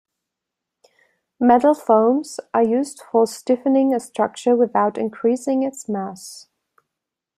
Metal foams are used for stiffening a structure without increasing its mass.